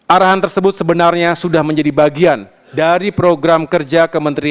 arahan tersebut sebenarnya sudah menjadi bagian dari program kerja kementerian